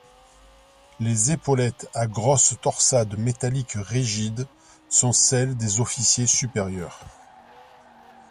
Les épaulettes à grosses torsades métalliques rigides sont celles des officiers supérieurs.